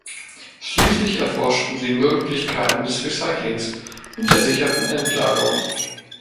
Schließlich erforschen sie Möglichkeiten des Recyclings und der sicheren Endlagerung.